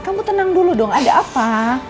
kamu tenang dulu dong ada apa